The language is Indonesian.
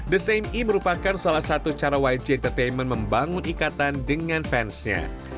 the same e merupakan salah satu cara yg entertainment membangun ikatan dengan fans nya